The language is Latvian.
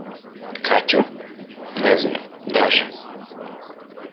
Kaķu? Nezinu - daži.